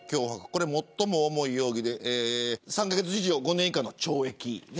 これ最も重い容疑で３カ月以上５年以下の懲役。